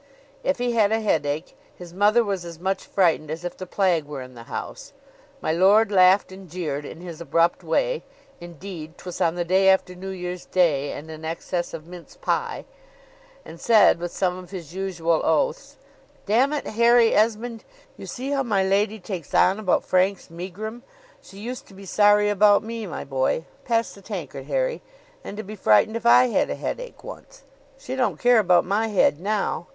If he had a headache, his mother was as much frightened as if the plague were in the house: my lord laughed and jeered in his abrupt way (indeed, 'twas on the day after New Year's Day, and an excess of mince pie) and said with some of his usual oaths "D n it, Harry Esmond you see how my lady takes on about Frank's megrim. She used to be sorry about me, my boy (pass the tankard, Harry), and to be frightened if I had a headache once. She don't care about my head now.